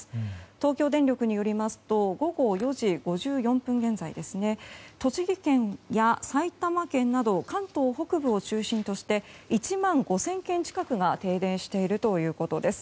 東京電力によりますと午後４時５４分現在栃木県や埼玉県など関東北部を中心として１万５０００軒近くが停電しているということです。